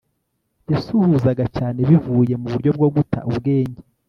Yasuhuzaga cyane bivuye muburyo bwo guta ubwenge